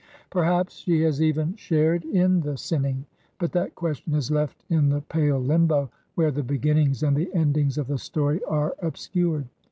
Perhaps she has even shared in the sin ning, but that question is left in the pale limbo where the beginnings and the endings of the story are ob scured.